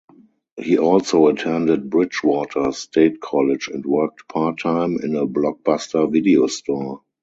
He also attended Bridgewater State College and worked part-time in a Blockbuster video store.